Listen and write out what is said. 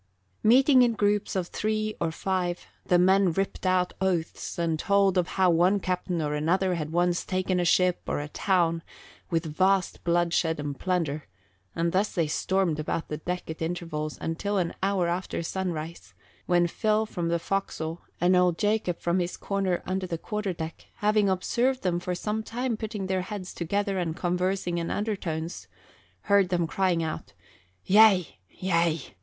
Meeting in groups of three or five, the men ripped out oaths and told of how one captain or another had once taken a ship or a town with vast bloodshed and plunder, and thus they stormed about the deck at intervals until an hour after sunrise, when Phil from the forecastle and Old Jacob from his corner under the quarter deck, having observed them for some time putting their heads together and conversing in undertones, heard them crying out, "Yea, yea!